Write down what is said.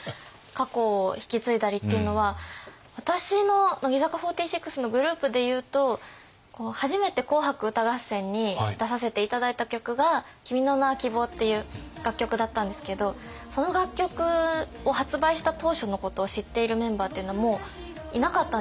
過去を引き継いだりっていうのは私の乃木坂４６のグループでいうと初めて「紅白歌合戦」に出させて頂いた曲が「君の名は希望」っていう楽曲だったんですけどその楽曲を発売した当初のことを知っているメンバーっていうのはもういなかったんですよ。